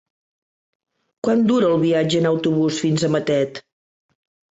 Quant dura el viatge en autobús fins a Matet?